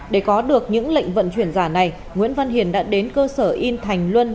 để có được những lệnh vận chuyển giả này nguyễn văn hiền đã đến cơ sở in thành luân